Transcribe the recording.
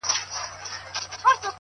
الله ته لاس پورته كړو ـ